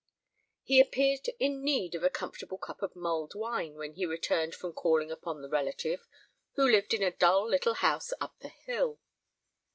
He appeared in need of a comfortable cup of mulled wine when he returned from calling upon the relative, who lived in a dull little house up the hill.